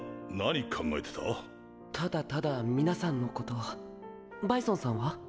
ただただ皆さんのことをバイソンさんは？